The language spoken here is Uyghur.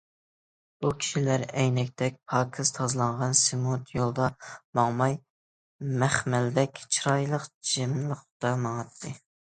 بۇ كىشىلەر ئەينەكتەك پاكىز تازىلانغان سېمونت يولدا ماڭماي، مەخمەلدەك چىرايلىق چىملىقتا ماڭاتتى.